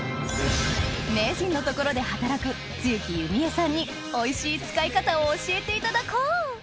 名人のところで働くにおいしい使い方を教えていただこう！